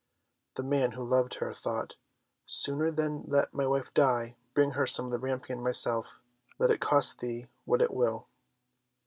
The man, who loved her, thought, "Sooner than let thy wife die, bring her some of the rampion thyself, let it cost thee what it will."